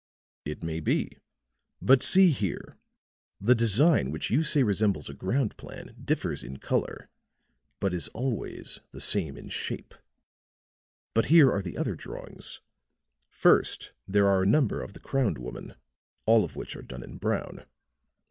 "It may be. But see here: The design which you say resembles a ground plan differs in color, but is always the same in shape. But here are the other drawings. First there are a number of the crowned woman, all of which are done in brown.